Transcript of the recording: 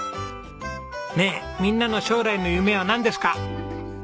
ねえみんなの将来の夢はなんですか？